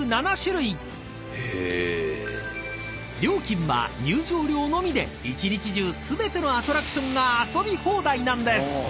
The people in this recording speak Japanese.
［料金は入場料のみで一日中全てのアトラクションが遊び放題なんです］